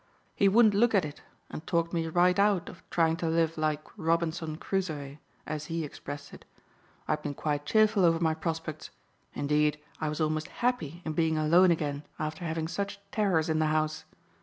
He wouldn't look at it, and talked me right out of trying to live like Robinson Crusoe, as he expressed it. I had been quite cheerful over my prospects; indeed, I was almost happy in being alone again after having such terrors in the house.